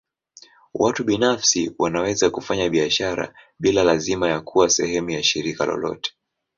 Watu binafsi wanaweza kufanya biashara bila lazima ya kuwa sehemu ya shirika lolote.